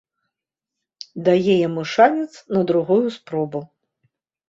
Дае яму шанец на другую спробу.